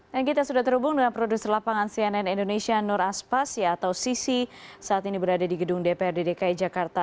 dan kita sudah terhubung dengan produser lapangan cnn indonesia nur aspas atau sisi saat ini berada di gedung dprd dki jakarta